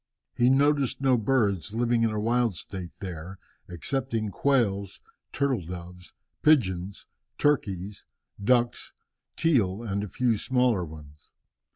He noticed no birds living in a wild state there excepting quails, turtle doves, pigeons, turkeys, ducks, teal, and a few smaller ones.